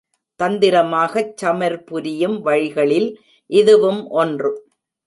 தந்திரமாகச் சமர் புரியும் வழிகளில் இதுவும் ஒன்று.